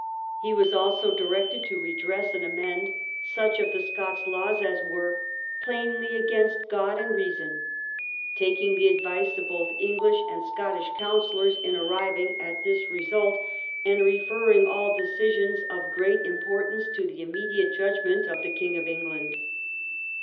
He was also directed to redress and amend such of the Scots laAvs as are "plainly against God and reason," taking the advice of both English and Scottish councillors in arriving at this result, and referring all decisions of great importance to the im mediate judgment of the King of England.